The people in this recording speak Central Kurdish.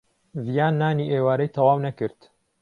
ڤیان نانی ئێوارەی تەواو نەکرد.